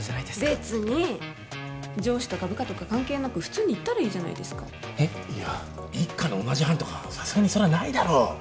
別に上司とか部下とか関係なく普通に言ったらいいじゃないですかいや一課の同じ班とかさすがにそれはないだろっ